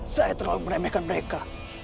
saya terlalu meremehkan mereka